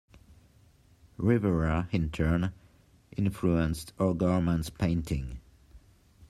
Rivera, in turn, influenced O'Gorman's painting.